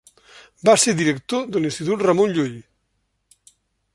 Va ser director de l'Institut Ramon Llull.